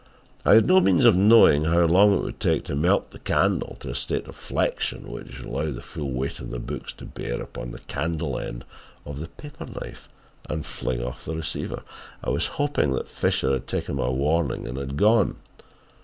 "I had no means of knowing how long it would take to melt the candle to a state of flexion which would allow the full weight of the books to bear upon the candle end of the paper knife and fling off the receiver. I was hoping that Fisher had taken my warning and had gone.